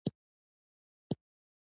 لاس په کار کیدل پکار دي